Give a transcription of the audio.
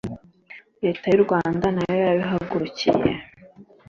Leta y'u Rwanda na yo yarabihagurukiye